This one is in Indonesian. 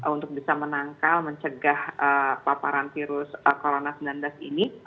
untuk bisa menangkal mencegah paparan virus corona sembilan belas ini